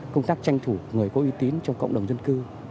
công tác tranh thủ người có uy tín trong cộng đồng dân cư